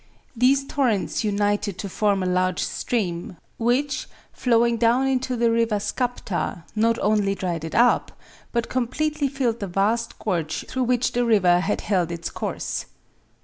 These torrents united to form a large stream, which, flowing down into the river Skapta, not only dried it up, but completely filled the vast gorge through which the river had held its course.